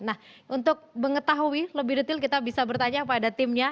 nah untuk mengetahui lebih detail kita bisa bertanya kepada timnya